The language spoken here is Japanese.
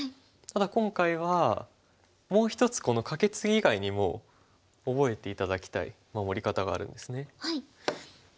ただ今回はもう一つこのカケツギ以外にも覚えて頂きたい守り方があるんですね。